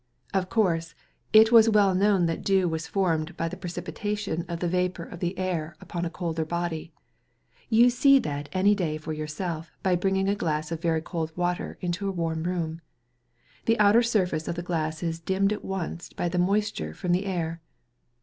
Of course, it was well known that dew was formed by the precipitation of the vapour of the air upon a colder body. You can see that any day for yourself by bringing a glass of very cold water into a warm room; the outer surface of the glass is dimmed at once by the moisture from the air.